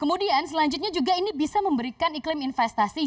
kemudian selanjutnya juga ini bisa memberikan iklim investasi